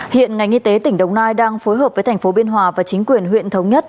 hiện ngành y tế tỉnh đồng nai đang phối hợp với thành phố biên hòa và chính quyền huyện thống nhất